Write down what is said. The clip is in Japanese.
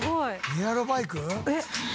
エアロバイク？